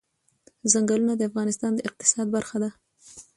چنګلونه د افغانستان د اقتصاد برخه ده.